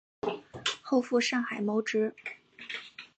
后赴上海谋职。